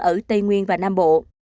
ở tây nguyên và nam bộ